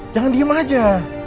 jangan diem aja